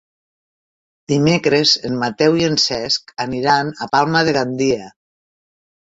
Dimecres en Mateu i en Cesc aniran a Palma de Gandia.